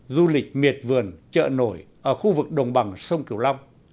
du lịch miệt vườn chợ nổi ở khu vực đồng bằng sông kiều long